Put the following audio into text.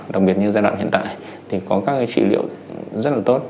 đặc biệt như giai đoạn hiện tại thì có các trị liệu rất là tốt